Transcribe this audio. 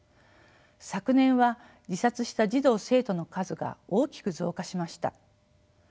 昨年は自殺した児童生徒の数が大きく増加しました。